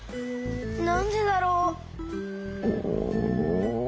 なんでだろう。